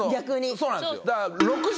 そうなんですよ。